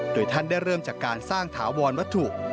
โดยท่านได้เริ่มจากการสร้างถาวรวัตถุ